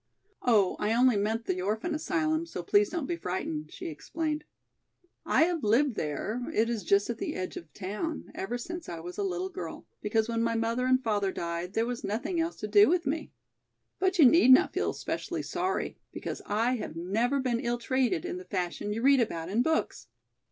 "Oh, I only meant the orphan asylum, so please don't be frightened," she explained. "I have lived there, it is just at the edge of town, ever since I was a little girl, because when my mother and father died, there was nothing else to do with me. But you need not feel specially sorry, because I have never been ill treated in the fashion you read about in books.